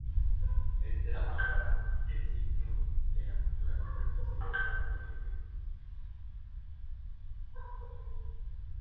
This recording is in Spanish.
Este lado marcará el sitio de la futura superficie dorsal del embrión.